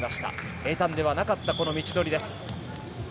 平たんではなかった道のりです。